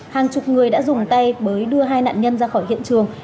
hàng chục người đã dùng tay bới đưa hai nạn nhân ra khỏi hiện trường